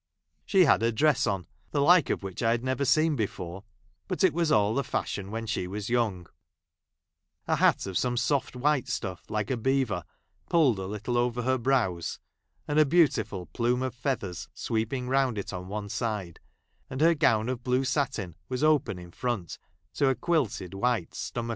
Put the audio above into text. ' She had a dress on, the like of which I had j never seen before, but it was all the fashion | Avhen she was 3mung ; a hat of some soft i Avhite stuff like beaver, pulled a little over i her broAvs, and a beautiful plume of feathers j sweeping round it on one side ; aud her gown 1 of blue satin Avas open in front to a quilted white stomacher.